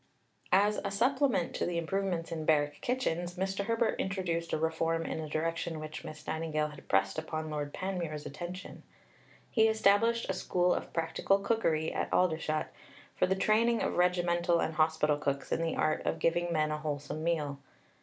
As a supplement to the improvements in barrack kitchens, Mr. Herbert introduced a reform in a direction which Miss Nightingale had pressed upon Lord Panmure's attention; he established a School of Practical Cookery at Aldershot, for the training of regimental and hospital cooks in the art of giving men a wholesome meal.